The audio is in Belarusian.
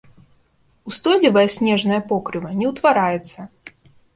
Устойлівае снежнае покрыва не ўтвараецца.